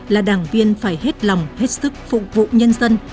là đảng viên phải hết lòng hết sức phục vụ nhân dân